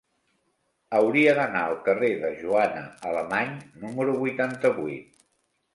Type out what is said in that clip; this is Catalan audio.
Hauria d'anar al carrer de Joana Alemany número vuitanta-vuit.